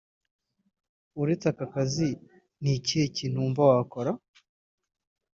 Uretse aka kazi ni ikihe kintu wumva wakora